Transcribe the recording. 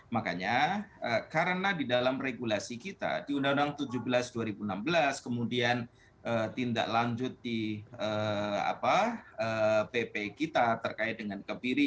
makanya karena di dalam regulasi kita di undang undang tujuh belas dua ribu enam belas kemudian tindak lanjut di pp kita terkait dengan kebiri